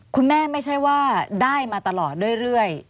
ไม่ใช่ว่าได้มาตลอดเรื่อย